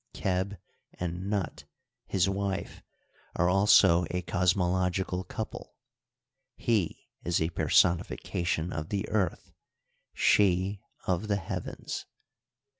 Qeb and Nut^ his wife, are also a cosmologi cal couple. He is a personification of the earth, she of the heavens.